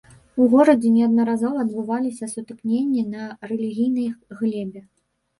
У горадзе неаднаразова адбываліся сутыкненні на рэлігійнай глебе.